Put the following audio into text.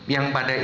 yang pada itu